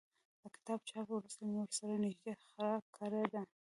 له کتاب چاپ وروسته مې ورسره نږدې خړه کړې وه.